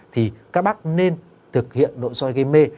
thì các bác nên thực hiện nội soi gây mê